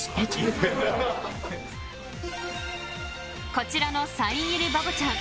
こちらのサイン入りバボちゃん